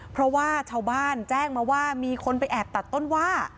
เพราะว่าชาวบ้านแจ้งมาว่ามีคนไปแอบตัดต้นว่า